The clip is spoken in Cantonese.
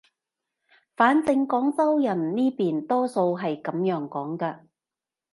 反正廣州人呢邊多數係噉樣講嘅